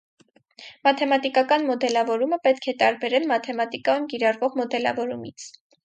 Մաթեմատիկական մոդելավորումը պետք է տարբերել մաթեմատիկայում կիրառվող մոդելավորումից։